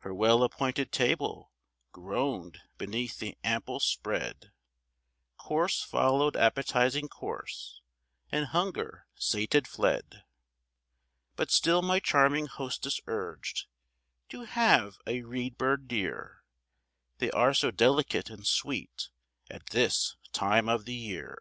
Her well appointed table groaned beneath the ample spread Course followed appetizing course, and hunger sated fled; But still my charming hostess urged, "Do have a reed bird, dear, They are so delicate and sweet at this time of the year."